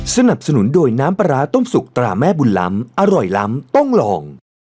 สนับสนุนโดยน้ำปลาร้าต้มสุกตราแม่บุญล้ำอร่อยล้ำต้องลอง